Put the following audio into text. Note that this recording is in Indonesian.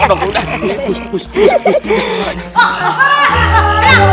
udah udah udah